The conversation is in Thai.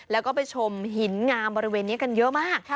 แล้วก็ไปชมหินงามบริเวณนี้กันเยอะมาก